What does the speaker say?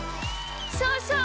そうそう！